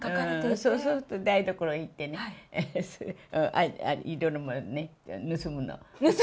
そうすると台所に行ってね、いろんなものね、盗むの。